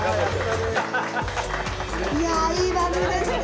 いやいい番組ですね